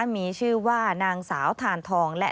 มันเกิดเหตุเป็นเหตุที่บ้านกลัว